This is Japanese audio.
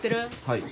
はい。